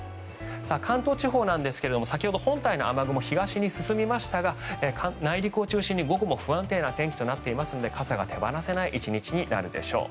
関東地方ですが先ほど、本体の雨雲は東に進みましたが内陸を中心に午後も不安定な天気となっていますので傘が手放せない１日になるでしょう。